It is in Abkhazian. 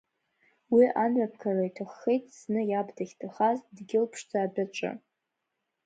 Уи амҩаԥгара иҭаххеит зны иаб дахьҭахаз Дгьылԥшӡа адәаҿы.